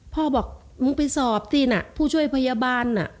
พ่อบอกมึงไปสอบสิน่ะผู้ช่วยพยาบาล